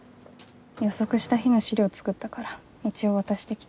予測した日の資料作ったから一応渡してきた。